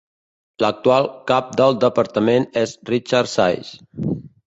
L'actual cap del departament és Richard Sais.